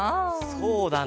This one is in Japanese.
そうだな。